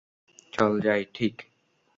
চল যাই, ঠিক!